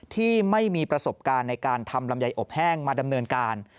ที่ไม่มีประสบการณ์ในการทำลำไยอบแห้งมาดำเนินการ